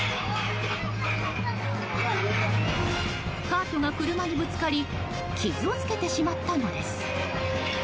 カートが車にぶつかり傷をつけてしまったのです。